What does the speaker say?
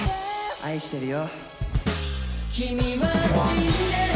愛してるよ。